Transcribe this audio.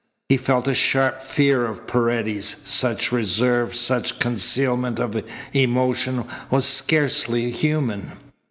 He felt a sharp fear of Paredes. Such reserve, such concealment of emotion, was scarcely human.